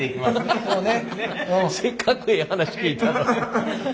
せっかくええ話聞いたのに。